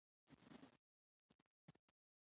او تر نيمايي ډېر غنم يې له خوراکه ايستلي دي.